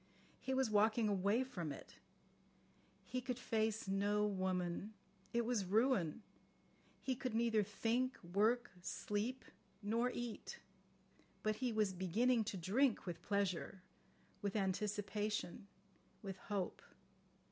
He was walking away from it. He could face no woman. It was ruin. He could neither think, work, sleep, nor eat. But he was beginning to drink with pleasure, with anticipation, with hope.